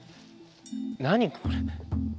何これ？